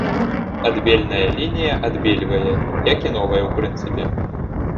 Адбельная лінія адбельвае, як і новая, у прынцыпе.